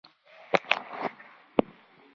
• کله ناکله ژړا کول د آرام راز وي.